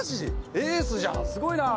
エースじゃんすごいなぁ！